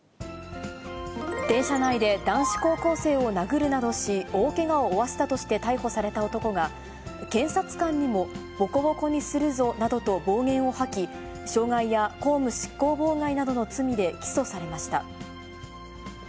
電車内で男子高校生を殴るなどし、大けがを負わせたとして逮捕された男が、検察官にも、ぼこぼこにするぞなどと暴言を吐き、傷害や公務執行妨害などの罪で起訴されました。